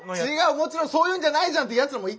もちろん「そういうんじゃないじゃん」ってやつもいたからさ。